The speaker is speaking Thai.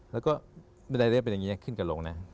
แล้วก็บันไดเลื่อนร่างนี้ขึ้นกับหนังสือ